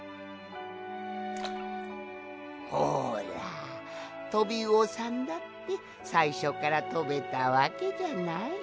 ほらトビウオさんだってさいしょからとべたわけじゃない。